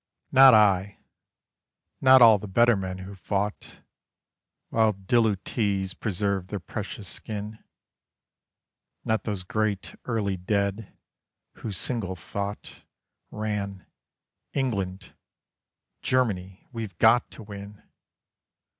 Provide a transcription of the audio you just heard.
Not I: not all the better men who fought While dilutees preserved their precious skin: Not those great early dead, whose single thought Ran "England: Germany: we've got to win."